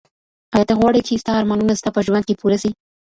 ایا ته غواړې چي ستا ارمانونه ستا په ژوند کي پوره سي؟